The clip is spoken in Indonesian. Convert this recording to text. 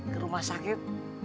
ke rumah sakit